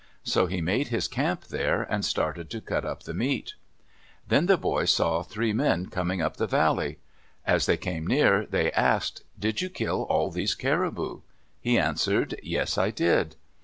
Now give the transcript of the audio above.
So he made his camp there and started to cut up the meat. Then the boy saw three men coming up the valley. As they came near, they asked, "Did you kill all these caribou?" He answered, "Yes, I did."